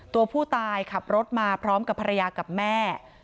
ตัวผู้ตายขับรถมาพร้อมกับภรรยากับแม่